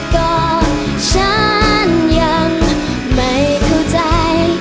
ก่อนฉันยังไม่เข้าใจ